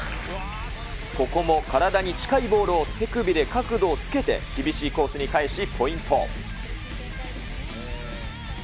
ここも体に近いボールを手首で角度をつけて、厳しいコースに返し、ポイント。